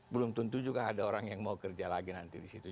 belum tentu juga ada orang yang mau kerja lagi nanti di situ